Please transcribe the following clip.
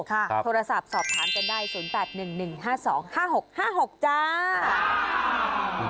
โทรศัพท์สอบถามกันได้๐๘๑๑๕๒๕๖๕๖จ้า